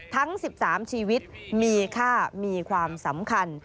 ทั้ง๑๓ชีวิตมีค่ามีความสำคัญ